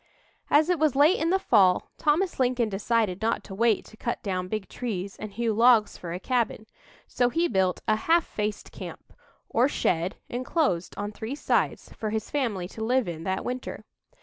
As it was late in the fall, Thomas Lincoln decided not to wait to cut down big trees and hew logs for a cabin, so he built a "half faced camp," or shed enclosed on three sides, for his family to live in that winter.